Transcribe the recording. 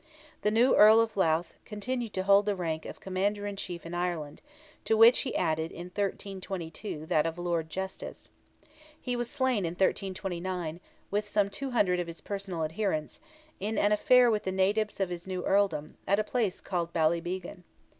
The new Earl of Louth continued to hold the rank of Commander in Chief in Ireland, to which he added in 1322 that of Lord Justice. He was slain in 1329, with some 200 of his personal adherents, in an affair with the natives of his new earldom, at a place called Ballybeagan.